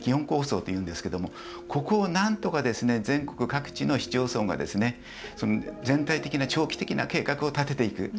国ではバリアフリー基本構想というんですけどもここをなんとか全国各地の市町村が全体的な長期的な計画を立てていく。